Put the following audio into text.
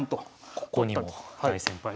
ここにも大先輩が。